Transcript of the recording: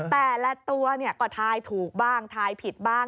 แต่ละตัวก็ทายถูกบ้างทายผิดบ้าง